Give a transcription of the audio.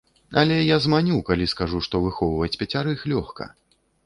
Але я зманю, калі скажу, што выхоўваць пяцярых лёгка!